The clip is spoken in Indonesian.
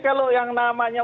kalau yang namanya